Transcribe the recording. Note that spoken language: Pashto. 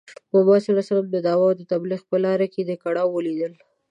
محمد ص د دعوت او تبلیغ په لاره کې ډی کړاوونه ولیدل .